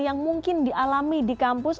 yang mungkin dialami di kampus